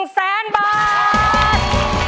๑แสนบาท